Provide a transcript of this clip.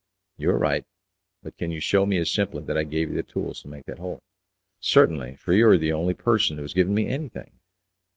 "You are right; but can you shew me as simply that I gave you the tools to make that hole?" "Certainly, for you are the only person who has given me anything."